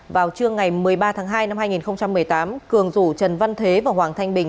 vào trưa ngày một mươi ba tháng hai năm hai nghìn một mươi tám cường rủ trần văn thế và hoàng thanh bình